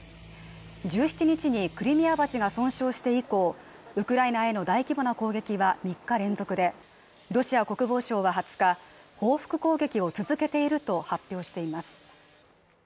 １７日にクリミア橋が損傷して以降、ウクライナへの大規模な攻撃は３日連続でロシア国防省は２０日、報復攻撃を続けていると発表しています。